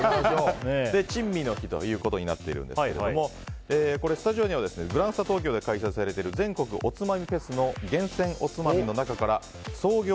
珍味の日となっていますがスタジオにはグランスタ東京で開催されている全国おつまみフェスの厳選おつまみの中から創業